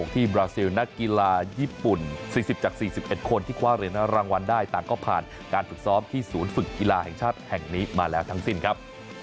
บราซิลนักกีฬาญี่ปุ่น๔๐จาก๔๑คนที่คว้าเหรียญรางวัลได้ต่างก็ผ่านการฝึกซ้อมที่ศูนย์ฝึกกีฬาแห่งชาติแห่งนี้มาแล้วทั้งสิ้นครับ